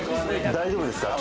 大丈夫ですか？